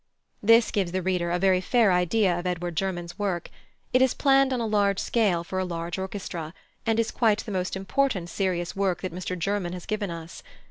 This gives the reader a very fair idea of Edward German's work. It is planned on a large scale for a large orchestra, and is quite the most important serious work that Mr German has given us.